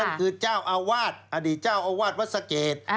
มันคือเจ้าอะวาทอดีตเจ้าอาวาฆวัษเจษ